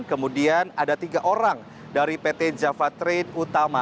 kemudian ada tiga orang dari pt java trade utama